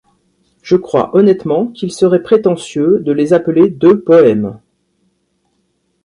Je crois honnêtement qu'il serait prétentieux de les appeler de poèmes.